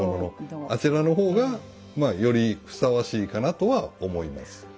あちらの方がよりふさわしいかなとは思います。